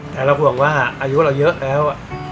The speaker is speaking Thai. แต่เราห่วงว่าอายุเราเยอะแล้ว